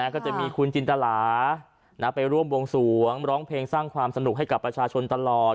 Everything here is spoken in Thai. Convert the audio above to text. ก็จะมีคุณจินตลาไปร่วมวงสวงร้องเพลงสร้างความสนุกให้กับประชาชนตลอด